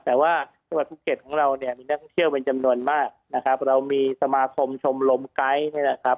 แต่ว่าภูเก็ตของเรามีนักเที่ยวเป็นจำนวนมากเรามีสมาคมชมลมไกท์